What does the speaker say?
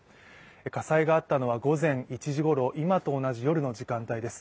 火災があったのは午前１時頃、今と同じ夜の時間帯です。